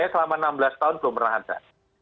selama enam belas tahun belum pernah ada